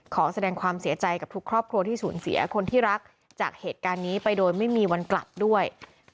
ขอแสดงความเสียใจกับทุกครอบครัวที่สูญเสียคนที่รักจากเหตุการณ์นี้ไปโดยไม่มีวันกลับด้วย